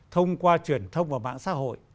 thông qua truyền thông và mạng xã hội